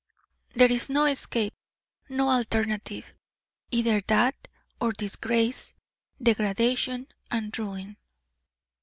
There is no escape no alternative; either that or disgrace, degradation, and ruin.